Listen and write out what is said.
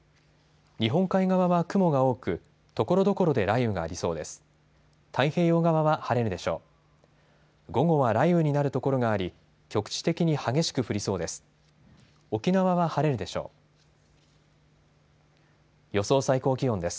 日本海側は雲が多くところどころで雷雨がありそうです。